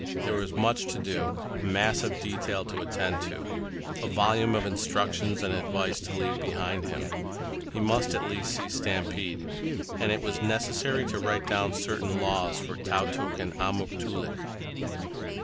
There was much to do, a mass of detail to attend to, a volume of instructions and advice to leave behind him. He must at least see Stampede, and it was necessary to write down certain laws for Tautuk and Amuk Toolik.